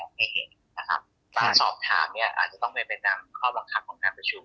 ให้เห็นนะครับการสอบถามเนี่ยอาจจะต้องเป็นไปตามข้อบังคับของการประชุม